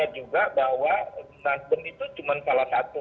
juga bahwa nasdem itu cuma salah satu